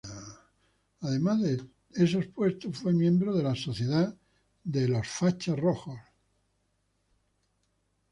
Además de estos puestos, fue miembro de la Sociedad de la Esvástica Roja.